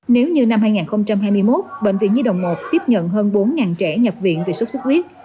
nếu như năm hai nghìn hai mươi một bệnh viện nhi đồng một tiếp nhận hơn bốn trẻ nhập viện vì sốt xuất huyết